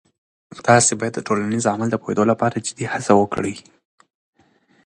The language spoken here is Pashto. تاسې باید د ټولنیز عمل د پوهیدو لپاره جدي هڅه وکړئ.